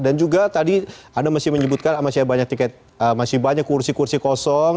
dan juga tadi anda masih menyebutkan masih banyak tiket masih banyak kursi kursi kosong